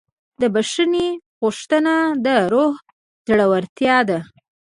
د بښنې غوښتنه د روح زړورتیا ده.